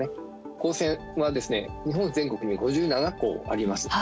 高専はですね日本全国に５７校あります。